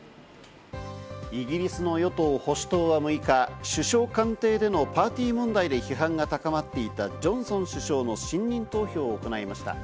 イギリスの与党・保守党は６日、首相官邸でのパーティー問題で批判が高まっていたジョンソン首相の信任投票を行いました。